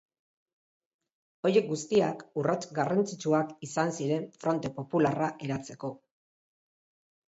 Horiek guztiak urrats garrantzitsuak izan ziren Fronte Popularra eratzeko.